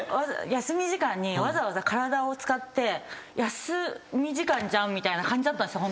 休み時間にわざわざ体を使って休み時間じゃんみたいな感じだったんです。